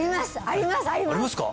ありますか？